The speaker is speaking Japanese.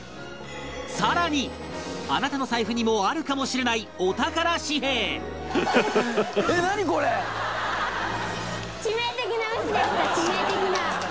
更にあなたの財布にもあるかもしれないお宝紙幣致命的な。